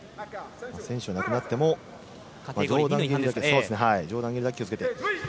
先取はなくなっても上段蹴りには気をつけて。